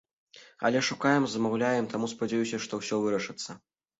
Але шукаем, замаўляем, таму спадзяюся, што ўсё вырашыцца.